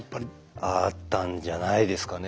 あったんじゃないですかね